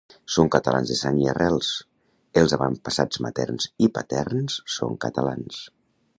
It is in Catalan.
Són catalans de sang i arrels, els avantpassats materns i paterns són catalans